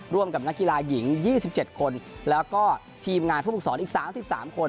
ร่วมกับนักกีฬาหญิง๒๗คนแล้วก็ทีมงานผู้ฝึกศรอีก๓๓คน